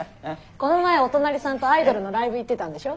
この前お隣さんとアイドルのライブ行ってたんでしょ？